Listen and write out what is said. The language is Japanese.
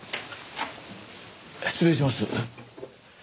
失礼します。